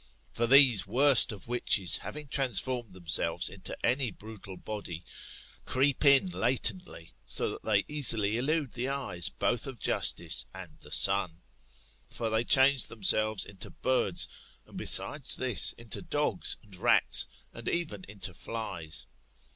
For these worbt of witches having transformed themselves iiUo any brutal body, creep in latently, so that they easily elude the eyes both of Justice and the Sun. For they change themselves into birds, and besides this, into dogs and rats, and even into flies.